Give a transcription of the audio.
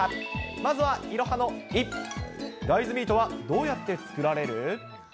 まずはいろはのい、大豆ミートはどうやって作られる？